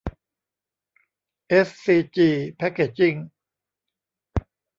เอสซีจี แพคเกจจิ้ง